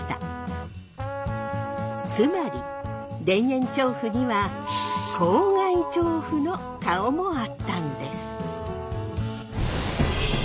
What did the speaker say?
つまり田園調布にはの顔もあったんです。